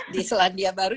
di selandia baru